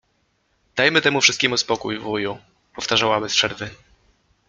„Dajmy temu wszystkiemu spokój, wuju!” — powtarzała bez przerwy.